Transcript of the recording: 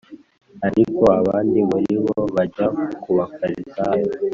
ariko abandi muri bo bajya ku Bafarisayo